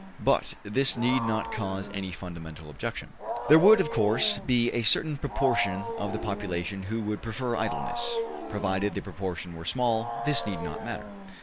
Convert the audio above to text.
But this need not cause any fundamental objection. There would, of course, be a certain proportion of the population who would prefer idleness. Provided the proportion were small, this need not matter.